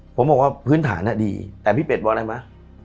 ผมบอกว่าพื้นฐานดีแต่พี่เป็ดบอกอะไรไหม